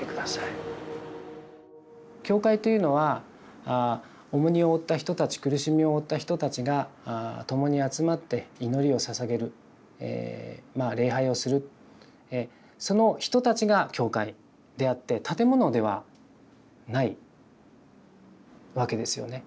教会というのは重荷を負った人たち苦しみを負った人たちが共に集まって祈りをささげる礼拝をするその人たちが教会であって建物ではないわけですよね。